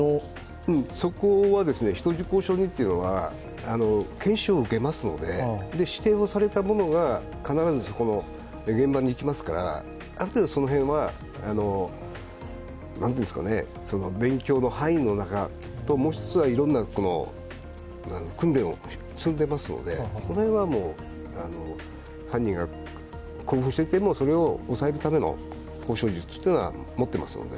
そこは人質交渉人というのは研修を受けますので、指定をされたものが必ずそこの現場に行きますからある程度、その辺は勉強の範囲の中もう一つは、いろんな訓練を積んでますのでその辺は、犯人が興奮していてもそれを抑えるための交渉術というは持っていますので。